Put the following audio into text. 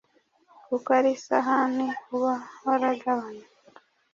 kuko ari sahani uba waragabanye